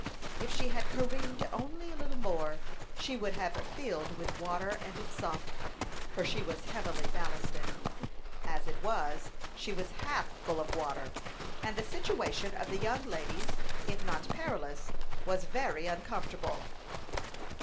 If she had careened only a little more, she would have filled with water and sunk, for she was heavily ballasted. As it was, she was half full of water, and the situation of the young ladies, if not perilous, was very uncomfortable.